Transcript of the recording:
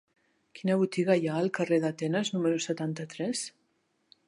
Quina botiga hi ha al carrer d'Atenes número setanta-tres?